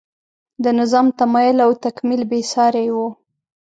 د نظام تمایل او تکمیل بې سارۍ و.